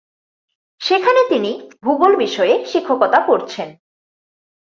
সেখানে তিনি ভূগোল বিষয়ে শিক্ষকতা করছেন।